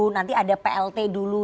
nanti ada plt dulu